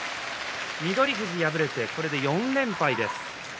翠富士、敗れてこれで４連敗です。